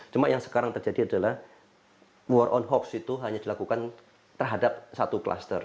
cuma yang sekarang terjadi adalah war on hoax itu hanya dilakukan terhadap satu kluster